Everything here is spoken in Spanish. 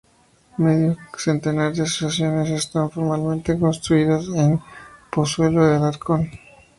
Medio centenar de asociaciones están formalmente constituidas en Pozuelo de Alarcón.